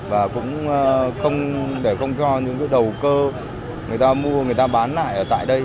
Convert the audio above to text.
và cũng không để không cho những cái đầu cơ người ta mua người ta bán lại ở tại đây